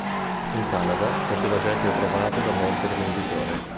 In Canada, poteva già essere trovato da molti rivenditori.